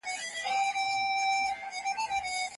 ادبي پروګرامونه باید په منظم ډول وي.